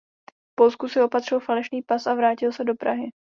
V Polsku si opatřil falešný pas a vrátil se do Prahy.